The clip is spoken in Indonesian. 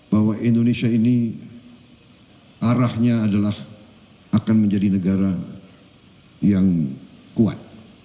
bahwa indonesia ini arahnya adalah akan menjadi negara yang kuat